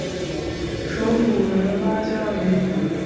首府为拉加韦。